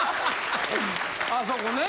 あそこね。